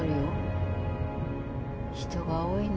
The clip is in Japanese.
人が多いね。